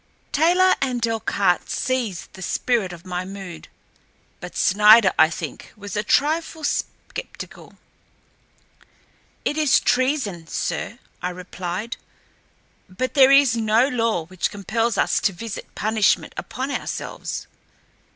Taylor and Delcarte seized the spirit of my mood but Snider, I think, was a trifle sceptical. "It is treason, sir," I replied, "but there is no law which compels us to visit punishment upon ourselves.